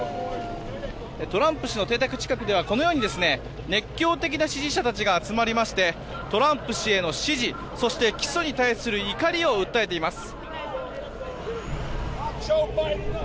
トランプ氏の邸宅近くではこのように熱狂的な支持者たちが集まりましてトランプ氏への支持そして起訴に対する怒りを訴えています。